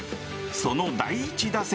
その第１打席。